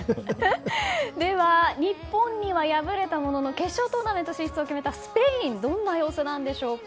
では、日本には敗れたものの決勝トーナメント進出を決めたスペインはどんな様子でしょうか。